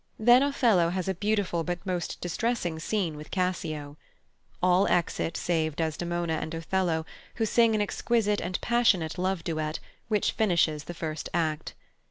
Then Othello has a beautiful but most distressing scene with Cassio. All exit save Desdemona and Othello, who sing an exquisite and passionate love duet, which finishes the first act.